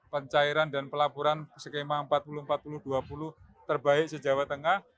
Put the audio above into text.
pencairan dan pelaburan skema empat puluh empat puluh dua puluh terbaik sejawa tengah